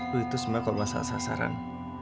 lu itu sebenarnya kok nggak salah sasaran